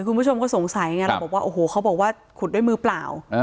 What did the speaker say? คุณผู้ชมก็สงสัยไงเราบอกว่าโอ้โหเขาบอกว่าขุดด้วยมือเปล่า